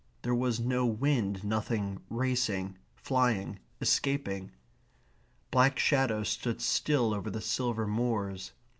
There was no wind; nothing racing, flying, escaping. Black shadows stood still over the silver moors.